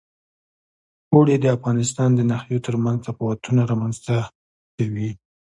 اوړي د افغانستان د ناحیو ترمنځ تفاوتونه رامنځ ته کوي.